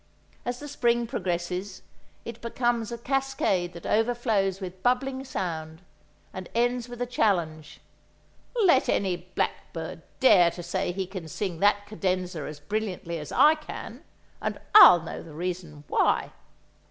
As the spring progresses, it becomes a cascade that overflows with bubbling sound and ends with a challenge: "Let any blackbird dare to say he can sing that cadenza as brilliantly as I can, and I'll know the reason why!"